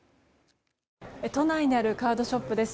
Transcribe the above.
都内にあるカードショップです。